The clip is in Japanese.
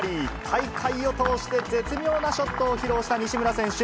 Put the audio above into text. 大会を通して絶妙なショットを披露した西村選手。